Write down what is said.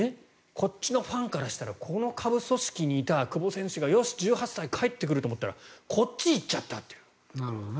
こっちのファンからしたらこの下部組織にいたら久保選手がよし、１８歳帰ってくると思ったらこっちに行っちゃったっていう。